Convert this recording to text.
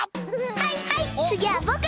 はいはいつぎはぼく！